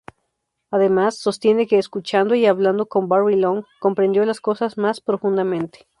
Además, sostiene que escuchando y hablando con Barry Long, comprendió las cosas más profundamente.